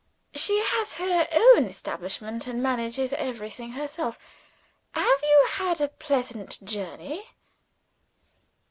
She has her own establishment, and manages everything herself. Have you had a pleasant journey?"